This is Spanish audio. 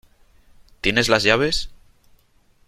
¿Tienes las llaves?